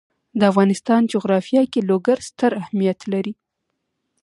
د افغانستان جغرافیه کې لوگر ستر اهمیت لري.